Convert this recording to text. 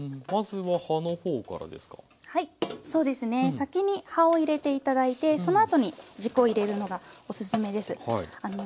先に葉を入れて頂いてそのあとに軸を入れるのがおすすめです。